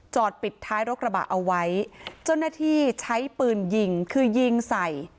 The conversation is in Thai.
ปิดท้ายรถกระบะเอาไว้เจ้าหน้าที่ใช้ปืนยิงคือยิงใส่